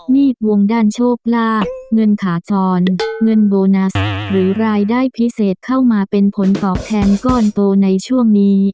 ดวงด้านโชคลาบเงินขาจรเงินโบนัสหรือรายได้พิเศษเข้ามาเป็นผลตอบแทนก้อนโตในช่วงนี้